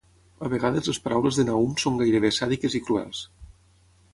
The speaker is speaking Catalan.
A vegades les paraules de Nahum són gairebé sàdiques i cruels.